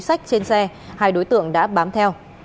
sách trên xe hai đối tượng đã bám theo